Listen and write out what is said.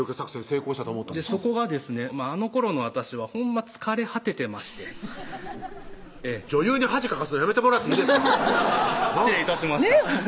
成功したと思ったそこがですねあのころの私はほんま疲れ果ててまして女優に恥かかすのやめてもらっていいですか失礼致しましたねぇ